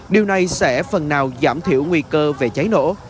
điều này sẽ phần nào giảm thiểu nguy cơ về cháy nổ